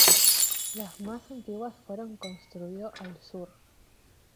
Las más antiguas fueron construido al sur.